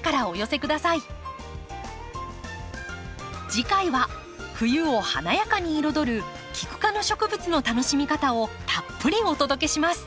次回は冬を華やかに彩るキク科の植物の楽しみ方をたっぷりお届けします。